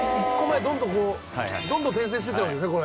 どんどん転生してってるわけですね。